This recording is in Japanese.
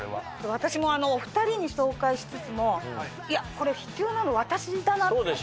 私もお２人に紹介しつつもいやこれ必要なの私だなっていう。